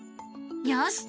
よし！